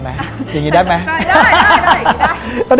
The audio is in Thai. อย่างนี้ได้ไหมได้ได้อย่างนี้ได้